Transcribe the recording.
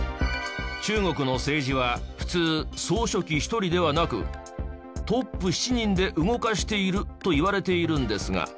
中国の政治は普通総書記１人ではなくトップ７人で動かしているといわれているんですが。